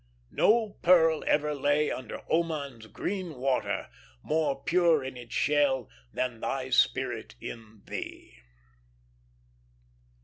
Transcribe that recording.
"No pearl ever lay under Oman's green water, More pure in its shell than thy spirit in thee."